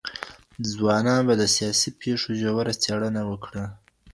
ځوانان به د سياسي پېښو ژوره څېړنه وکړي.